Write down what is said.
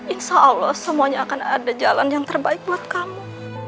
insya allah semuanya akan ada jalan yang terbaik buat kamu